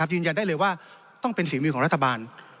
ยืนยันได้เลยว่าต้องเป็นฝีมือของรัฐบาล